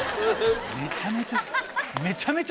めちゃめちゃ。